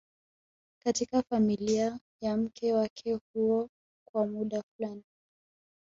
katika familia ya mke wake huyo kwa muda fulani